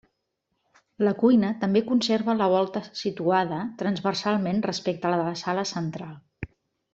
La cuina també conserva la volta situada transversalment respecte a la de la sala central.